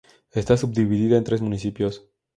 Está subdividida en tres municipios.